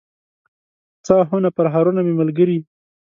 څه آهونه، پرهرونه مې ملګري